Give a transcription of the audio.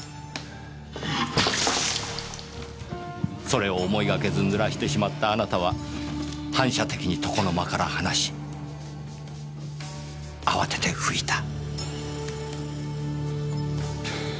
それを思いがけず濡らしてしまったあなたは反射的に床の間から離し慌てて拭いた。